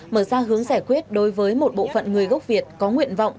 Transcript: mở ra hướng giải quyết đối với một bộ phận người gốc việt có nguyện vọng